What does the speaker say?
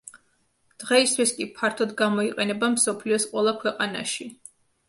დღეისთვის კი ფართოდ გამოიყენება მსოფლიოს ყველა ქვეყანაში.